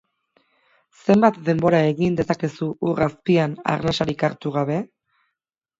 Zenbat denbora egin dezakezu ur azpian arnasarik hartu gabe?